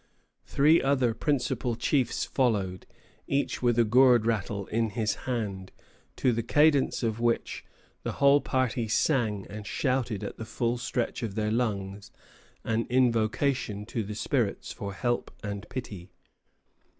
Three other principal chiefs followed, each with a gourd rattle in his hand, to the cadence of which the whole party sang and shouted at the full stretch of their lungs an invocation to the spirits for help and pity.